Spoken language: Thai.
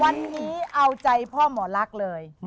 วันนี้เอาใจพ่อหมอลักษณ์เลย